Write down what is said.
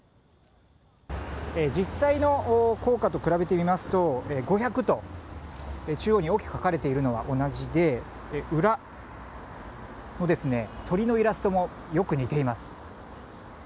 実際の硬貨と比べてみますと「５００」と中央に大きく書かれているのは同じで裏の、鳥のイラストもよく似ています。